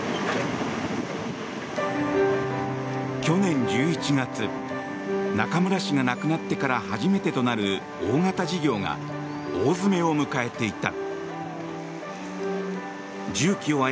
去年１１月中村氏が亡くなってから初めてとなる大型事業が大詰めを迎えていた。